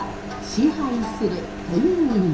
支配するという意味。